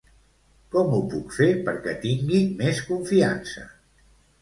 Com ho puc fer perquè tingui més confiança?